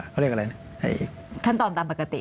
เขาเรียกอะไรขั้นตอนตามปกติ